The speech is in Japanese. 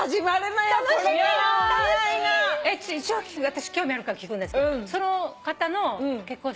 私興味あるから聞くんですけどその方の結婚